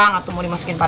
nanti perlu gue begini pat